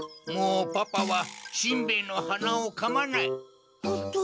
もうパパはしんべヱのはなをかまない。